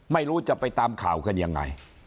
ไม่รู้จะไปตามข่าวกันยังไง